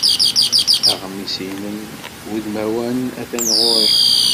Aɣmis-nnem udmawan atan ɣur-i.